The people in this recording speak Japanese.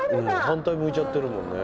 反対向いちゃってるもんね。